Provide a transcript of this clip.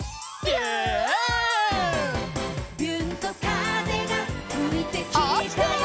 「びゅーんと風がふいてきたよ」